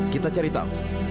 kita cari tahu